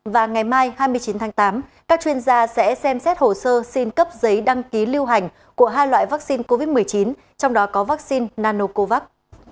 và ngày mai hai mươi chín tháng tám các chuyên gia sẽ xem xét hồ sơ xin cấp giấy đăng ký lưu hành của hai loại vaccine covid một mươi chín trong đó có vaccine nanocovax